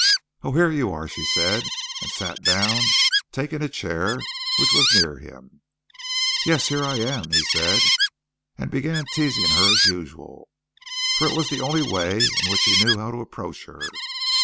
"Oh, here you are!" she said, and sat down, taking a chair which was near him. "Yes, here I am," he said, and began teasing her as usual, for it was the only way in which he knew how to approach her.